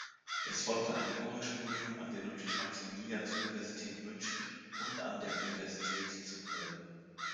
Es folgte ein Jurastudium an der Ludwig-Maximilians-Universität München und an der Universität zu Köln.